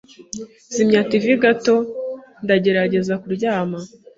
Zimya TV gato. Ndagerageza kuryama.